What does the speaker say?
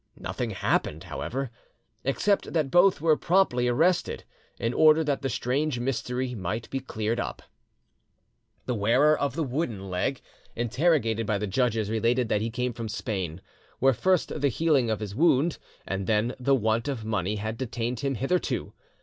Nothing happened, however, except that both were promptly arrested, in order that the strange mystery might be cleared up. The wearer of the wooden leg, interrogated by the judges, related that he came from Spain, where first the healing of his wound, and then the want of money, had detained him hitherto.